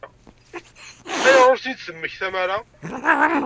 Ayɣer ur ten-id-temmektam ara?